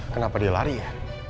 kenapa dia lari ya